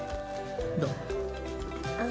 どう？